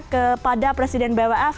kepada presiden bwf